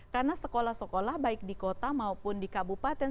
karena sekolah sekolah baik di kota maupun di kabupaten